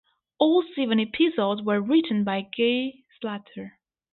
All seven episodes were written by Guy Slater.